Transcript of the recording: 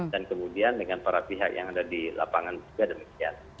dan kemudian dengan para pihak yang ada di lapangan juga demikian